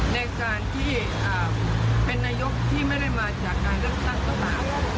ในการที่เป็นนายกที่ไม่ได้มาจากการเรียกสร้างประมาณ